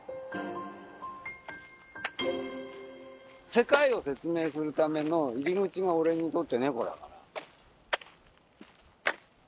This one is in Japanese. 世界を説明するための入り口が俺にとって猫だから。